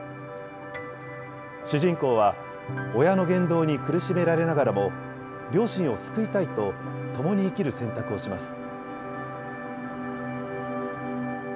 主人公は、親の言動に苦しめられながらも、両親を救いたいと、共に生きる選択をします。